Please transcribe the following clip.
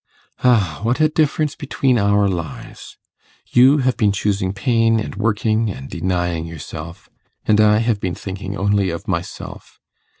'Ah, what a difference between our lives! you have been choosing pain, and working, and denying yourself; and I have been thinking only of myself.